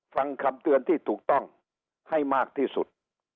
ฟังคำเตือนที่ถูกต้องให้มากที่สุด